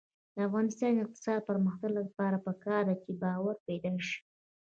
د افغانستان د اقتصادي پرمختګ لپاره پکار ده چې باور پیدا شي.